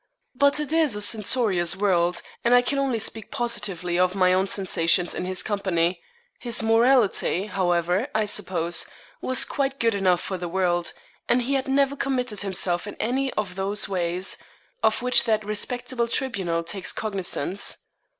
But it is a censorious world, and I can only speak positively of my own sensations in his company. His morality, however, I suppose, was quite good enough for the world, and he had never committed himself in any of those ways of which that respectable tribunal takes cognizance.